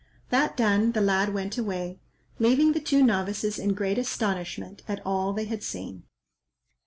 That done, the lad went away, leaving the two novices in great astonishment at all they had seen.